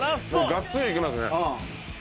がっつりいきますね。